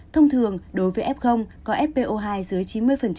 thông thường đối với ép không có fpo hai dưới chín mươi